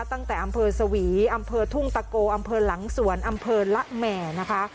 ตั้งแต่อำเภอสวีอำเภอทุ่งตะโกอำเภอหลังสวนอำเภอละแหม่นะคะ